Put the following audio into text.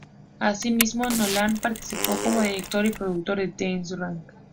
Así mismo, Nolan participó como director y productor de "The Dark Knight Rises".